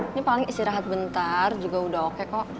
ini paling istirahat bentar juga udah oke kok